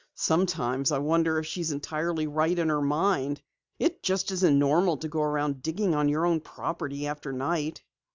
"Sometimes I wonder if she's entirely right in her mind. It just isn't normal to go around digging on your own property after night."